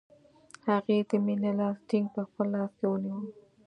هغې د مینې لاس ټینګ په خپل لاس کې ونیوه